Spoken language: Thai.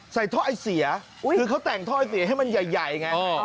ใส่ท่อไอ้เสียคือเขาแต่งท่อไอ้เสียให้มันใหญ่ไง